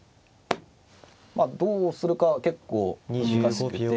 まあどうするかは結構難しくて。